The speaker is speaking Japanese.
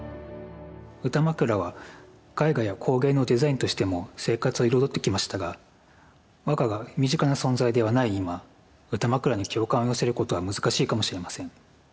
歌枕は絵画や工芸のデザインとしても生活を彩ってきましたが和歌が身近な存在ではない今歌枕に共感を寄せることは難しいかもしれません。